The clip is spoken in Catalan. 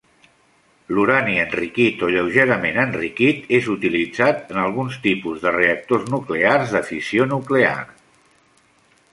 L'urani enriquit o lleugerament enriquit és utilitzat en alguns tipus reactors nuclears de fissió nuclear.